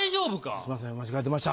すいません間違えてました。